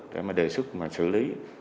để đề xuất xử lý